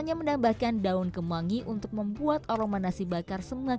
ini sudah bisa diangkat nasi bakarnya